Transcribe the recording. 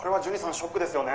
ショックですよね」。